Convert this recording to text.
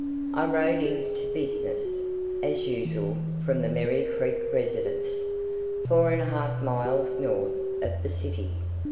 I rode in to business, as usual, from my Merri Creek residence, 4 1/2 miles north of the city.